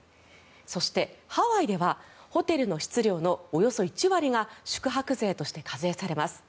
そして、ハワイではホテルの室料のおよそ１割が宿泊税として課税されます。